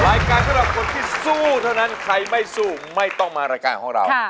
รายการสำหรับคนที่สู้เท่านั้นใครไม่สู้ไม่ต้องมารายการของเรา